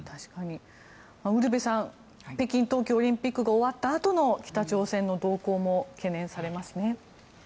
ウルヴェさん北京冬季オリンピックが終わったあとの北朝鮮の動向も懸念されますね。